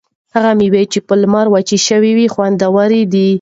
هغه مېوې چې په لمر کې وچې شوي وي خوندورې دي.